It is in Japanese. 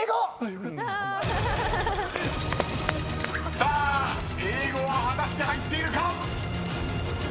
［さあ英語は果たして入っているか⁉］